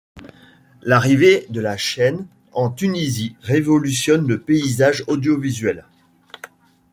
L'arrivée de la chaîne en Tunisie révolutionne le paysage audiovisuel.